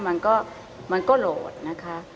มันก็โหลดนะคะ